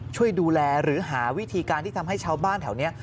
ช่วยดูแลหรือหาวิธีการที่ทำให้ชาวบ้านแถวนี้